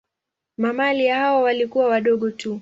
Mamalia hao walikuwa wadogo tu.